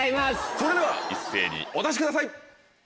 それでは一斉にお出しください。